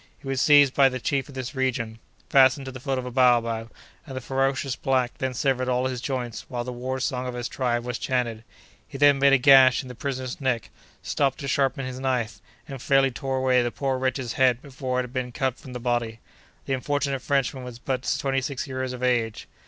He was seized by the chief of this region, fastened to the foot of a baobab, and the ferocious black then severed all his joints while the war song of his tribe was chanted; he then made a gash in the prisoner's neck, stopped to sharpen his knife, and fairly tore away the poor wretch's head before it had been cut from the body. The unfortunate Frenchman was but twenty six years of age."